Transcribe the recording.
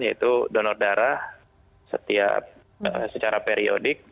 yaitu donor darah setiap secara periodik